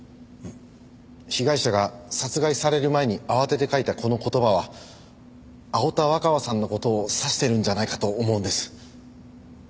被害者が殺害される前に慌てて書いたこの言葉は青田若葉さんの事を指してるんじゃないかと思うんです。